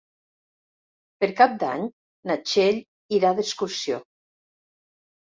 Per Cap d'Any na Txell irà d'excursió.